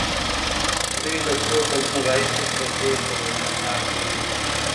دوی له څو کلونو راهيسې په دې پروژه کار کوي.